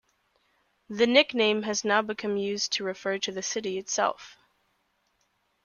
The nickname has now become used to refer to the city itself.